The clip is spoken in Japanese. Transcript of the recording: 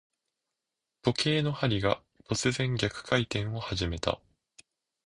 時計の針が、突然逆回転を始めた。